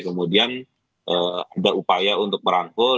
kemudian ada upaya untuk merangkul